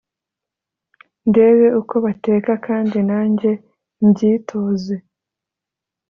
ndebe uko bateka kandi nange mbyitoze.